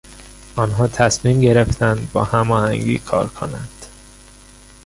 آنها تصمیم گرفتند با هماهنگی کار کنند.